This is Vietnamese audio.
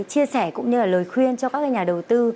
chia sẻ cũng như là lời khuyên cho các nhà đầu tư